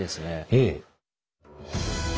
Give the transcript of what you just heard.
ええ。